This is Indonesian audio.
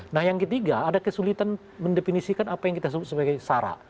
nah yang ketiga ada kesulitan mendefinisikan apa yang kita sebut sebagai sara